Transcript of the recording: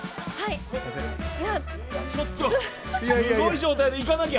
ちょっとすごい状態でいかなきゃ。